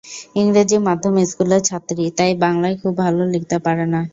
ইংরেজি মাধ্যম স্কুলের ছাত্রী, তাই বাংলায় খুব ভালো লিখতে পারে না।